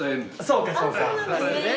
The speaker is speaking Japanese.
そうかそうか。